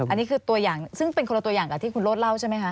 อันนี้คือตัวอย่างซึ่งเป็นคนละตัวอย่างกับที่คุณโรธเล่าใช่ไหมคะ